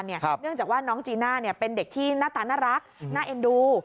เนื่องจากว่าน้องจีน่าเป็นเด็กที่หน้าตาน่ารักน่าเอ็นดู